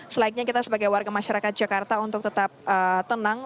selainnya kita sebagai warga masyarakat jakarta untuk tetap tenang